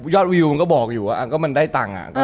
วิวมันก็บอกอยู่ว่าก็มันได้ตังค์